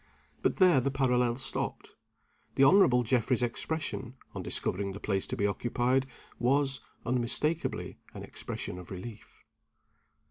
But there the parallel stopped. The Honorable Geoffrey's expression, on discovering the place to be occupied, was, unmistakably an expression of relief.